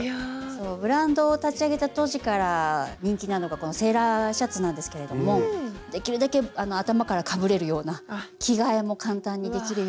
ブランドを立ち上げた当時から人気なのがこのセーラーシャツなんですけれどもできるだけ頭からかぶれるような着替えも簡単にできるような。